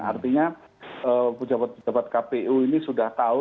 artinya pejabat pejabat kpu ini sudah tahu